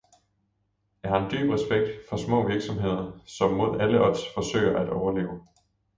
Jeg har dyb respekt for små virksomheder, som imod alle odds forsøger at overleve.